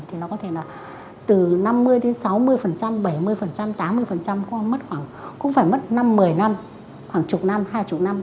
thì nó có thể là từ năm mươi đến sáu mươi bảy mươi tám mươi không mất khoảng cũng phải mất năm một mươi năm khoảng chục năm hai mươi năm